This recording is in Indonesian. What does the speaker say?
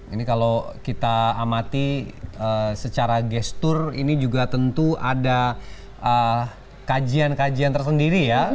ini kalau kita amati secara gestur ini juga tentu ada kajian kajian tersendiri ya